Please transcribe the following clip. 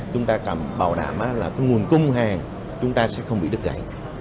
chúng ta cảm bảo đảm là cái nguồn cung hàng chúng ta sẽ không bị đứt gãy